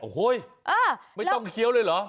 โอ้โหไม่ต้องเคี้ยวเลยเหรอ